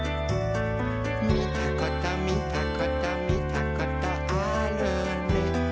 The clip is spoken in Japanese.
「みたことみたことみたことあるね」